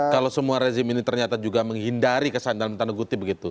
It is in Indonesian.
kalau semua rezim ini ternyata juga menghindari kesan dalam tanda kutip begitu